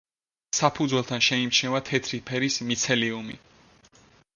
საფუძველთან შეიმჩნევა თეთრი ფერის მიცელიუმი.